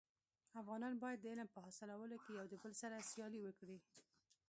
افغانان باید د علم په حاصلولو کي يو دبل سره سیالي وکړي.